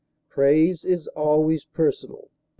Praise is always personal."